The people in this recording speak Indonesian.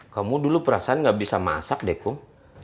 kamu dulu perasaan gak bisa masak deh kum